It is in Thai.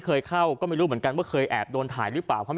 เคยเข้าก็ไม่รู้เหมือนกันว่าเคยแอบโดนถ่ายหรือเปล่า